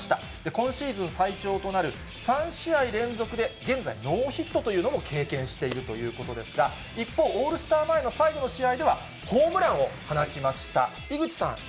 今シーズン最長となる３試合連続で現在ノーヒットというのも経験しているということですが、一方、オールスター前の最後の試合では、ホームランを放ちました。